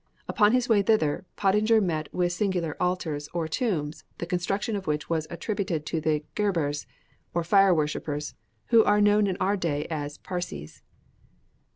Upon his way thither Pottinger met with some singular altars, or tombs, the construction of which was attributed to the Ghebers, or fire worshippers, who are known in our day as Parsees.